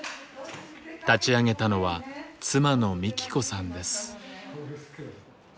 立ち上げたのは妻のみき子さんです。